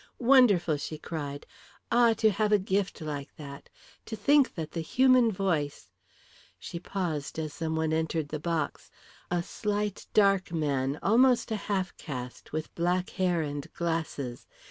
"Wonderful!" she cried. "Ah, to have a gift like that. To think that the human voice " She paused as some one entered the box. A slight dark man, almost a half caste, with black hair and glasses.